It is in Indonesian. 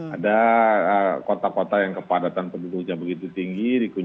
ada kota kota yang kepadatan penutupnya begitu tinggi dikujukan